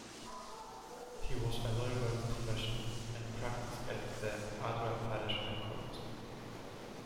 He was a lawyer by profession and practised at the Andhra Pradesh High Court.